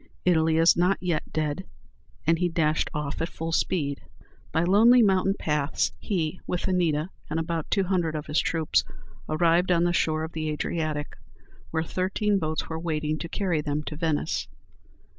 Italy is not yet dead!" and he dashed off at full speed. By lonely mountain paths, he, with Anita and about two hundred of his troops, arrived on the shore of the Adriatic, where thirteen boats were waiting to carry them to Venice.